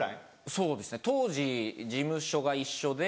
そうですね当時事務所が一緒で。